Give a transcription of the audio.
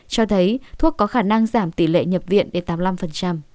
cho thấy thuốc có khả năng giảm tỷ lệ nhập viện đến tám mươi năm